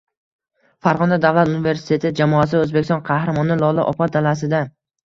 Farg‘ona davlat universiteti jamoasi – O‘zbekiston Qahramoni Lola opa dalasida